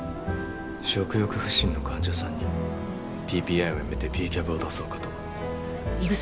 食欲不振の患者さんにＰＰＩはやめてＰ−ＣＡＢを出そうかと胃薬？